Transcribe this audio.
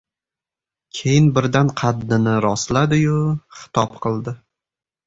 — Keyin birdan qaddini rostladi-yu xitob qildi.